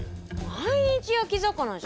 毎日焼き魚じゃん。